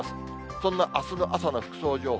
そんなあすの朝の服装情報。